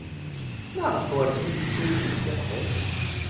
Maɣef werjin tessiridemt iqbac?